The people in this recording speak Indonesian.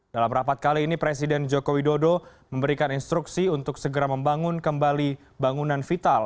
dalam rapat kali ini presiden joko widodo memberikan instruksi untuk segera membangun kembali bangunan vital